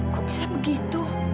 kok bisa begitu